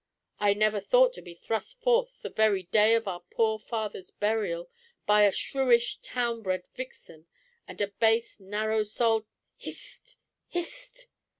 "I never thought to be thrust forth the very day of our poor father's burial, by a shrewish town bred vixen, and a base narrow souled—" "Hist! hist!"